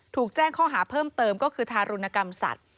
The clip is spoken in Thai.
ถูกแจ้งข้อหาเพิ่มเติมก็คือทารุณกรรมสัตว์